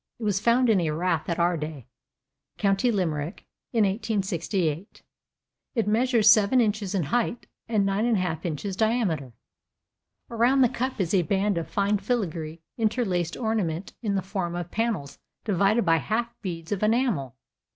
It was found in a rath at Ardagh, county Limerick, in 1868. It measures 7 inches in height and 9 1/2 in diameter. Around the cup is a band of fine filigree interlaced ornament in the form of panels divided by half beads of enamel.